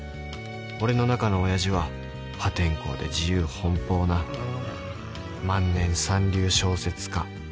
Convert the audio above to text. ［俺の中の親父は破天荒で自由奔放な万年三流小説家］